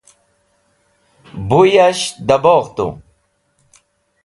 Bu yash da bogh tu.